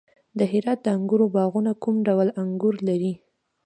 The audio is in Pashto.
د هرات د انګورو باغونه کوم ډول انګور لري؟